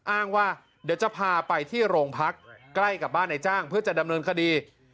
อ้างว่าเดี๋ยวจะพาไปที่โรงพักใกล้กับบ้านในจ้างเพื่อจะดำเนินคดี